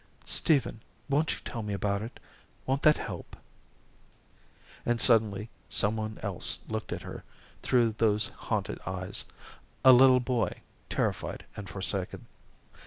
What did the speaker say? "Stephen, won't you tell me about it won't that help?" And suddenly some one else looked at her through those haunted eyes a little boy, terrified and forsaken.